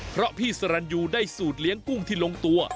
เพราะพี่สรรยูได้สูตรเลี้ยงกุ้งที่ลงตัว